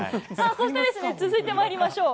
そして、続いてまいりましょう。